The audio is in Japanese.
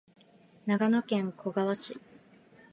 長野県小川村